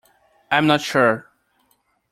I am not sure.